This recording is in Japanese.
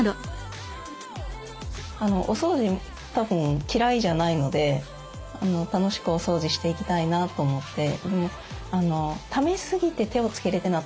お掃除たぶん嫌いじゃないので楽しくお掃除していきたいなと思って。